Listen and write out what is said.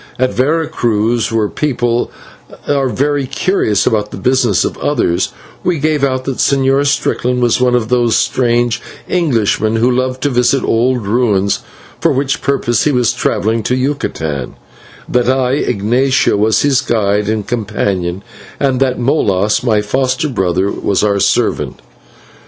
At Vera Cruz, where people are very curious about the business of others, we gave out that the Señor Strickland was one of those strange Englishmen who love to visit old ruins, for which purpose he was travelling to Yucatan; that I, Ignatio, was his guide and companion, and that Molas, my foster brother, was our servant.